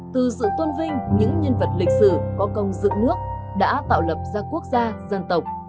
từ sự tôn vinh những nhân vật lịch sử có công dựng nước đã tạo lập ra quốc gia dân tộc